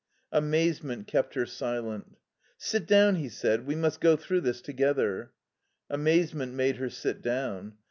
Amazement kept her silent. "Sit down," he said, "we must go through this together." Amazement made her sit down.